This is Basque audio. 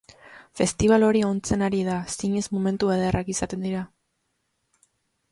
Festibal hori ontzen ari da, zinez momentu ederrak izaten dira.